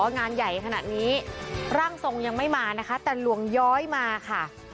งานใหญ่ขนาดนี้ร่างทรงยังไม่มานะคะแต่หลวงย้อยมาค่ะ